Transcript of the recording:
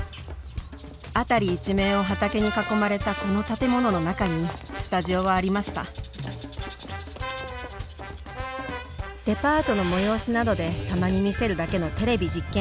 辺り一面を畑に囲まれたこの建物の中にスタジオはありましたデパートの催しなどでたまに見せるだけのテレビ実験